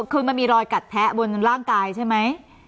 คือมันมีรอยแก่ละรอแก่บนร่างกายใช่ไหม